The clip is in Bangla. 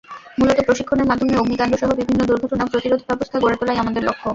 মূলত প্রশিক্ষণের মাধ্যমে অগ্নিকাণ্ডসহ বিভিন্ন দুর্ঘটনা প্রতিরোধব্যবস্থা গড়ে তোলাই আমাদের লক্ষ্য।